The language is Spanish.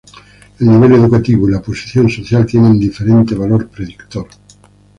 El nivel educativo y la posición social tiene diferente valor predictor.